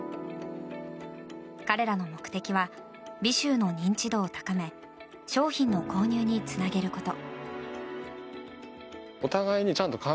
彼らの目的は尾州の認知度を高め商品の購入につなげること。